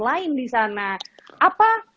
lain di sana apa